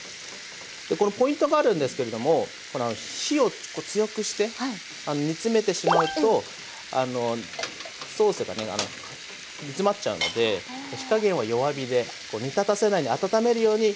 これポイントがあるんですけれども火をちょっと強くして煮詰めてしまうとソースがね煮詰まっちゃうので火加減は弱火で煮立たせないで温めるように火を入れてって下さい。